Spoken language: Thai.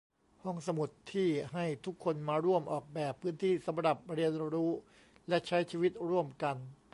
ห้องสมุดที่ให้ทุกคนมาร่วมออกแบบพื้นที่สำหรับเรียนรู้และใช้ชีวิตร่วมกัน